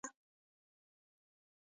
کونزیټ یوه ښکلې بنفشه ډبره ده.